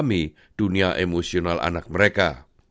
kami juga memahami dunia emosional anak mereka